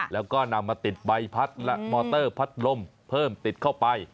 แล้วก็นำมาติดใบพัดและมอเตอร์พัดลมเพิ่มติดเข้าไป